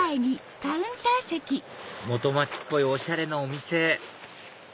元町っぽいおしゃれなお店